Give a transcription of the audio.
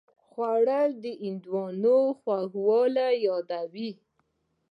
خوړل د هندوانې خوږوالی یادوي